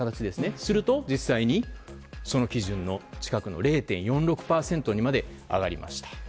すると、実際にその基準の近くの０．４６％にまで上がりました。